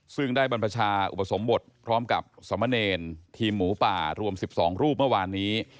ซึ่งได้บรรพชาอุปสมบทพร้อมกับสมเนรทีมหมูป่ารวม๑๒รูปเมื่อวานนี้